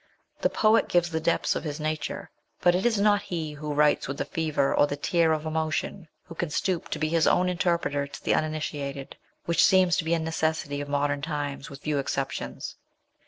The poet gives the depths of his nature, but it is not he who writes with the fever or the tear of emotion who can stoop to be his own interpreter to the uninitiated, which seems to be a necessity of modern times, with few exceptions.